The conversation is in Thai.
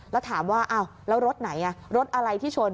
แล้วถามว่าอ้าวแล้วรถไหนรถอะไรที่ชน